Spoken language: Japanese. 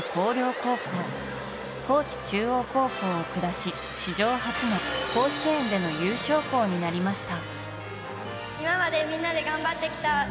高知中央高校を下し史上初の甲子園での優勝校になりました。